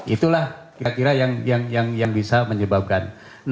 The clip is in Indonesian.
itulah kira kira yang bisa menyebabkan